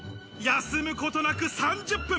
休むことなく３０分。